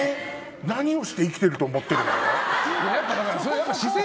何をして生きてると思ってるの？